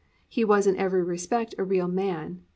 He was in every respect a real man.